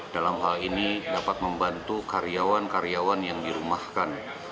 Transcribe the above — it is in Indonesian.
dalam hal ini dapat membantu karyawan karyawan yang dirumahkan